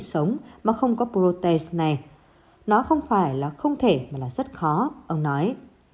sống mà không có prote này nó không phải là không thể mà là rất khó ông nói